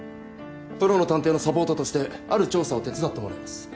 プロの探偵のサポートとしてある調査を手伝ってもらいます。